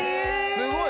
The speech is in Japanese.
すごい！